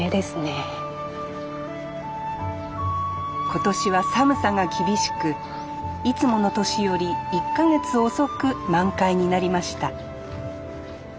今年は寒さが厳しくいつもの年より１か月遅く満開になりました